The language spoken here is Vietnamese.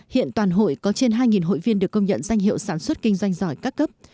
hiện toàn hội có trên hai hội viên được công nhận danh hiệu sản xuất kinh doanh giỏi các cấp